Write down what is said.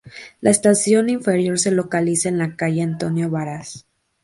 La estación inferior se localiza en la calle Antonio Varas.